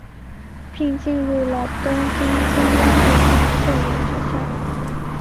并进入了东京中央陆军幼年学校。